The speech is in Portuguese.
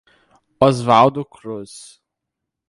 Osvaldo Cruz